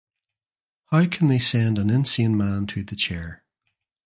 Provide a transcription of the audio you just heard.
How can they send an insane man to the chair?